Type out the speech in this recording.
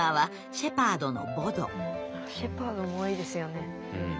シェパードも多いですよね。